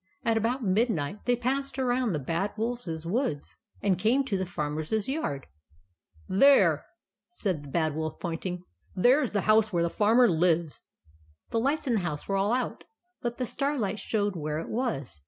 At about midnight, they passed around the Bad Wolfs woods, and came to the Farmer's yard. 11 There !" said the Bad Wolf, pointing. " There is the house where the Farmer lives." The lights in the house were all out ; but the starlight showed where it was.